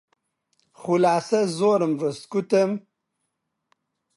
خولاسە زۆرم ڕست، گوتم: